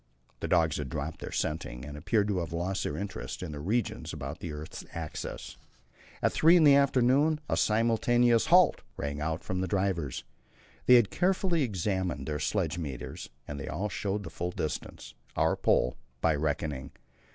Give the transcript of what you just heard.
The dogs had dropped their scenting, and appeared to have lost their interest in the regions about the earth's axis. At three in the afternoon a simultaneous "Halt!" rang out from the drivers. They had carefully examined their sledge meters, and they all showed the full distance our Pole by reckoning.